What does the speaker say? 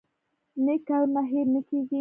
نیک کارونه هیر نه کیږي